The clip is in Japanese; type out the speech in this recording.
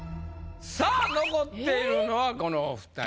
⁉さあ残っているのはこのお２人。